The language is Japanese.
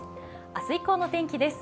明日以降の天気です。